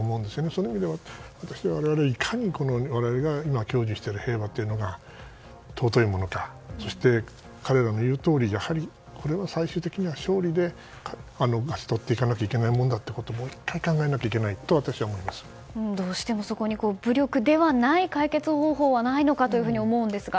その意味では我々が、いかに今、享受している平和というのが尊いものなのかそして彼らの言うとおりやはり、これは最終的には勝利で勝ち取っていかなきゃいけないものだってことをもう１回考えなければいけないとどうしてもそこに武力ではない解決方法はないのかと思うんですが。